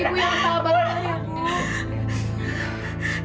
ibu jangan salah banget ibu